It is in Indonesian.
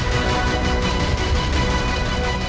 blahblahblahbl lah ko concern lo